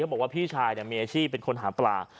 บอกว่าพี่ชายมีอาชีพเป็นคนหาปลา